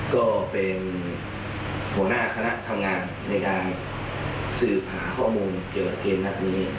ก็เป็นหัวหน้าคณะทำงานในการสืบหาข้อมูลเกี่ยวกับเกมนัดนี้